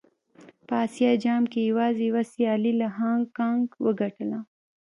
په اسيا جام کې يې يوازې يوه سيالي له هانګ کانګ وګټله.